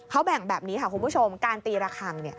เขาแบ่งแบบนี้ค่ะคุณผู้ชมการตีระคัง